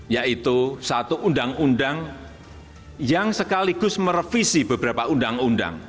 yaitu satu undang undang yang sekaligus merevisi beberapa undang undang